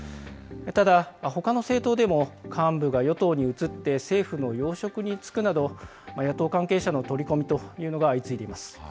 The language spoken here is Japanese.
ただ、ほかの政党でも幹部が与党に移って政府の要職に就くなど、野党関係者の取り込みというのが相次いでいます。